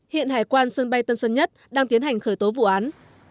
hiện hải quan sân bay tân sơn nhất đang tiến hành khởi tố vụ án